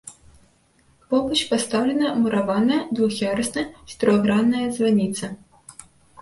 Побач пастаўлена мураваная двух'ярусная чатырохгранная званіца.